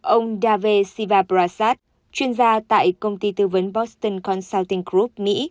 ông dave sivaprasad chuyên gia tại công ty tư vấn boston consulting group mỹ